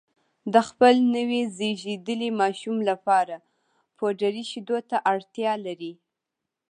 د خپل نوي زېږېدلي ماشوم لپاره پوډري شیدو ته اړتیا لري